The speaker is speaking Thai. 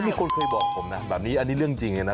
มีคนเคยบอกผมนะแบบนี้อันนี้เรื่องจริงเลยนะ